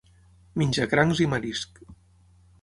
Menja crancs i marisc.